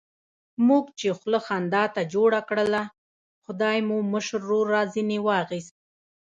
موږ چې خوله خندا ته جوړه کړله، خدای مو مشر ورور را ځنې واخیست.